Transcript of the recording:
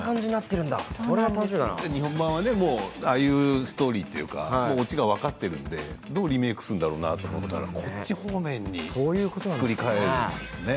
日本版はね、もうああいうストーリーっていうオチが分かっているからどうリメークするのかなってこっち方面に作り替えるんですね。